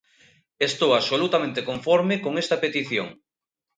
Estou absolutamente conforme con esta petición.